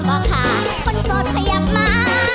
กอดพยับมา